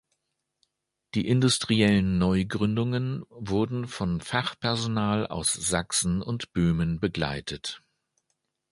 Die industriellen Neugründungen wurden von Fachpersonal aus Sachsen und Böhmen begleitet.